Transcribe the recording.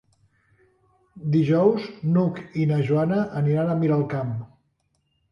Dijous n'Hug i na Joana aniran a Miralcamp.